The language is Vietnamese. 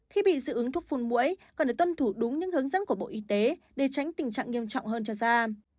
khi bị dị ứng thuốc phun mũi cần được tuân thủ đúng những hướng dẫn của bộ y tế để tránh tình trạng nghiêm trọng hơn cho da